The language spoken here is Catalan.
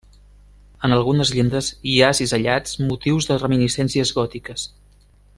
En algunes llindes hi ha cisellats motius de reminiscències gòtiques.